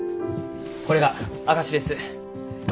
これが証しです。